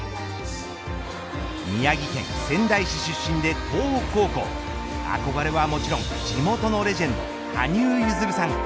宮城県仙台市出身で東北高校憧れはもちろん地元のレジェンド羽生結弦さん。